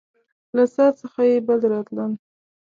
له څاه څخه يې بد راتلل.